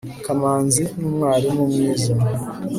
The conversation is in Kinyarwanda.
kamanzi n'umwarimu mwiza